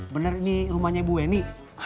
bener ini rumahnya bu weni